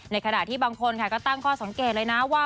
ขณะที่บางคนก็ตั้งข้อสังเกตเลยนะว่า